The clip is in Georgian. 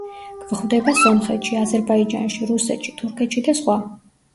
გვხვდება სომხეთში, აზერბაიჯანში, რუსეთში, თურქეთში და სხვა.